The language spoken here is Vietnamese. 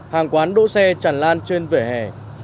hàng quán đỗ xe chẳng lan trên vẻ hè